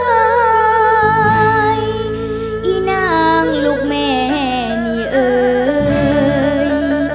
อีนางลูกแม่นี่เอ่ย